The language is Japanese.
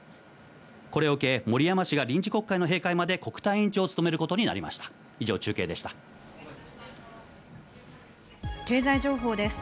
これを受け森山氏が臨時国会の閉会まで国対委員長を務めることになりました。